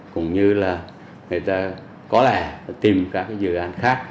cũng như là người ta có lẽ tìm các dự án khác